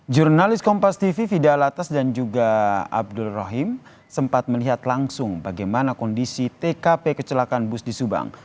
jurnalis kompas tv fidalatas dan juga abdul rahim sempat melihat langsung bagaimana kondisi tkp kecelakaan bus di subang